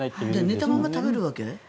寝たまま食べるわけ？